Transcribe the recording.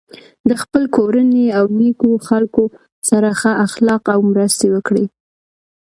د خپل کورنۍ او نیکو خلکو سره ښه اخلاق او مرستې وکړی.